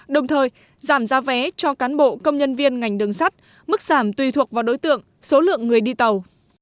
đồng thời giảm giá vé cho cán bộ công nhân viên ngành đường sắt mức giảm tùy thuộc vào đối tượng số lượng người đi tàu